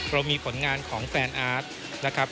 เรามีผลงานของแฟนอาร์ตนะครับ